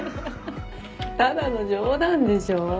ただの冗談でしょ。